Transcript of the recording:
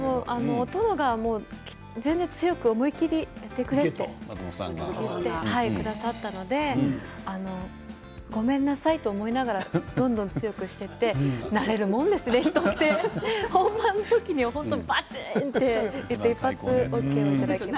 殿が強く思い切りやってくれと言ってくださったのでごめんなさいと思いながらどんどん強くしていって慣れるもんですね、人って本番の時にはバチンと一発ＯＫをいただきました。